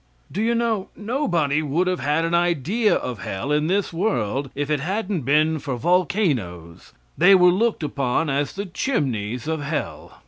Do you know nobody would have had an idea of hell in this world if it hadn't been for volcanoes? They were looked upon as the chimneys of hell.